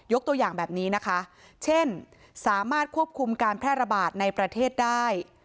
ตัวอย่างแบบนี้นะคะเช่นสามารถควบคุมการแพร่ระบาดในประเทศได้